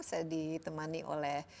saya ditemani oleh